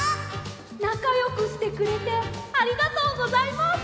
なかよくしてくれてありがとうございます。